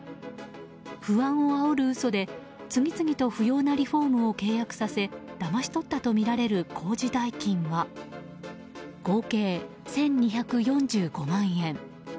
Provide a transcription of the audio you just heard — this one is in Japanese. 不安をあおる嘘で次々と不要なリフォームを契約させ、だまし取ったとみられる工事代金は合計１２４５万円。